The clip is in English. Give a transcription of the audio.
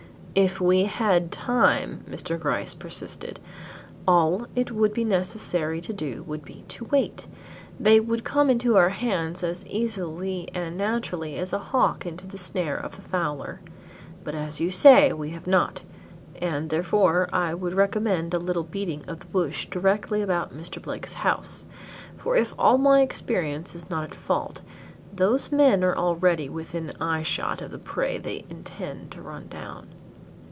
"If we had time," Mr. Gryce persisted, "all it would be necessary to do would be to wait, they would come into our hands as easily and naturally as a hawk into the snare of the fowler. But as you say we have not, and therefore, I would recommend a little beating of the bush directly about Mr. Blake's house; for if all my experience is not at fault, those men are already within eye shot of the prey they intend to run down."